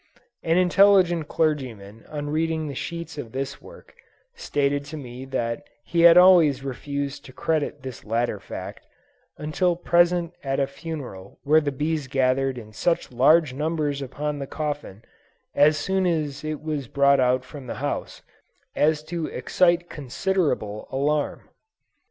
An intelligent clergyman on reading the sheets of this work, stated to me that he had always refused to credit this latter fact, until present at a funeral where the bees gathered in such large numbers upon the coffin, as soon as it was brought out from the house, as to excite considerable alarm.